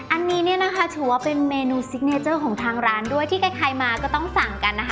อันนี้เนี่ยนะคะถือว่าเป็นเมนูซิกเนเจอร์ของทางร้านด้วยที่ใครมาก็ต้องสั่งกันนะคะ